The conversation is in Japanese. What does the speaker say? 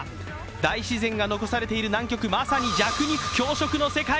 大自然が残されている南極、まさに弱肉強食の世界。